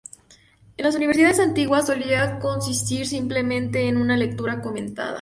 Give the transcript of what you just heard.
En las universidades antiguas solía consistir simplemente en una lectura comentada.